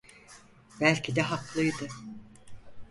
Belki de haklıydı.